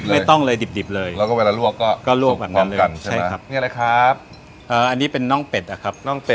ไม่ต้องเลยที่ดิบเลยแล้วก็เวลารวกก็สกพร้อมนะ